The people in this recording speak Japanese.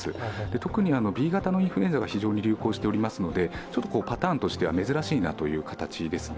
特にＢ型のインフルエンザが非常に流行していますのでパターンとしては珍しいなという形ですね。